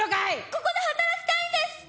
ここで働きたいんです！